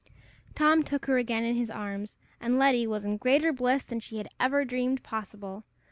Tom took her again in his arms, and Letty was in greater bliss than she had ever dreamed possible.